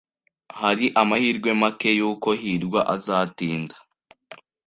Hari amahirwe make yuko hirwa azatinda.